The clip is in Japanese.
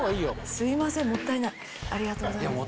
すいませんもったいないありがとうございます。